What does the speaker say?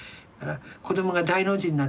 子どもが大の字になってね